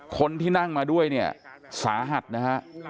คนที่นั่งมาด้วยเนี่ยสาหัสนะฮะ